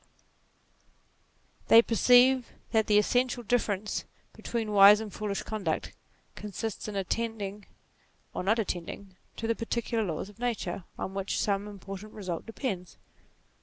18 NATURE They perceive that the essential difference between wise and foolish conduct consists in attending, or not attending, to the particular laws of nature on which some important result depends.